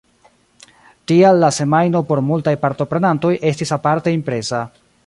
Tial la semajno por multaj partoprenantoj estis aparte impresa.